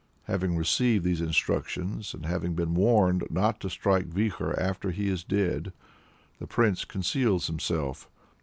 Having received these instructions, and having been warned not to strike Vikhor after he is dead, the Prince conceals himself.